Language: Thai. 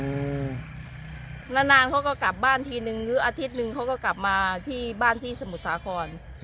นานนานเขาก็กลับบ้านทีนึงหรืออาทิตย์หนึ่งเขาก็กลับมาที่บ้านที่สมุทรสาคร